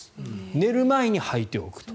寝る前にはいておくと。